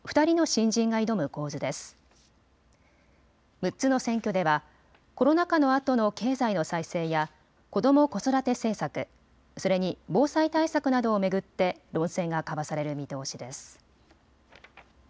６つの選挙ではコロナ禍のあとの経済の再生や子ども・子育て政策、それに防災対策などを巡って論戦が交わされる見通しです。